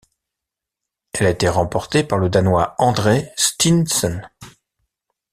Elle a été remportée par le Danois André Steensen.